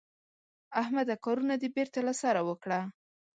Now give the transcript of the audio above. احمده کارونه دې بېرته له سره وکړه.